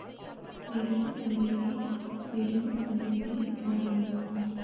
நெருப்புப் பந்திலிலே மெழுகுப் பதுமை ஆடுமோ?